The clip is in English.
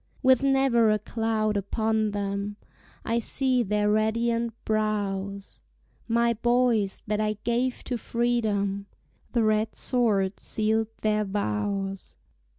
With never a cloud upon them, I see their radiant brows; My boys that I gave to freedom, The red sword sealed their vows!